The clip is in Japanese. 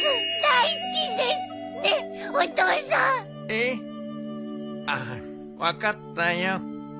ええっああ分かったよ。